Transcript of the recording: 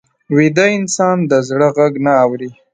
ویده انسان د زړه غږ نه اوري